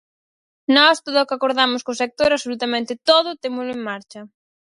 Nós todo o que acordamos co sector, absolutamente todo, témolo en marcha.